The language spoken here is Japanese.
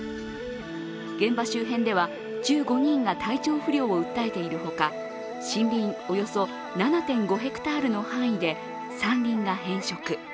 現場周辺では１５人が体調不良を訴えているほか、森林およそ７．５ｈＰａの範囲で山林が変色。